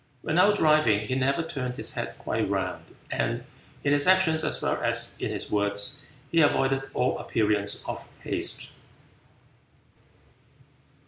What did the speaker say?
When out driving, he never turned his head quite round, and in his actions as well as in his words he avoided all appearance of haste.